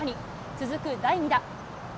続く第２打。